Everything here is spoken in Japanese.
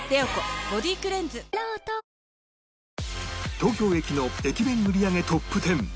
東京駅の駅弁売り上げトップ１０